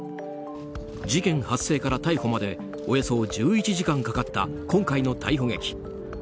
事件発生から逮捕までおよそ１１時間かかった今回の逮捕劇。